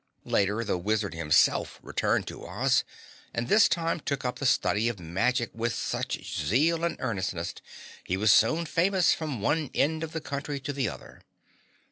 Later the Wizard himself returned to Oz and this time took up the study of magic with such zeal and earnestness he was soon famous from one end of the country to the other.